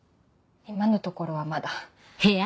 今のところはまだ。